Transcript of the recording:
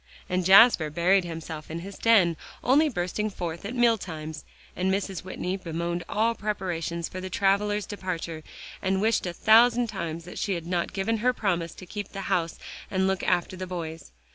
And Jasper buried himself in his den, only bursting forth at meal times, and Mrs. Whitney bemoaned all preparations for the travelers' departure, and wished a thousand times that she had not given her promise to keep the house and look after the boys.